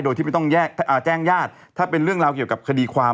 โดยที่ไม่ต้องแจ้งญาติถ้าเป็นเรื่องราวเกี่ยวกับคดีความ